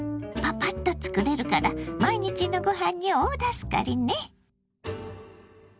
パパッと作れるから毎日のごはんに大助かりね！